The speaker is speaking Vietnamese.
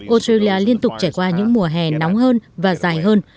australia liên tục trải qua những mùa hè nóng hơn và dài hơn